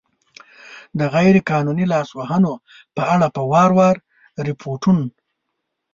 د غیر قانوني لاسوهنو په اړه په وار وار ریپوټون